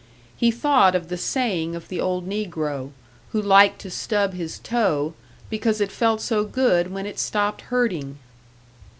He thought of the saying of the old negro, who liked to stub his toe, because it felt so good when it stopped hurting!